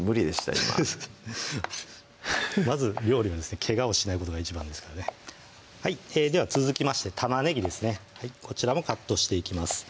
今まず料理はけがをしないことが一番ですからねでは続きまして玉ねぎですねこちらもカットしていきます